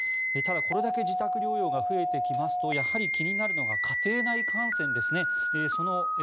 ただ、これだけ自宅療養が増えてきますとやはり気になるのが家庭内感染ですね。